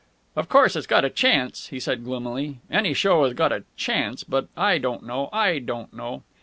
"Of course it's got a chance," he said gloomily. "Any show has got a chance! But I don't know.... I don't know...."